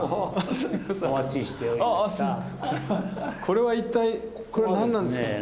これは一体これは何なんですか。